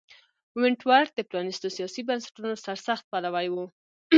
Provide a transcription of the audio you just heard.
ونټ ورت د پرانیستو سیاسي بنسټونو سرسخت پلوی و.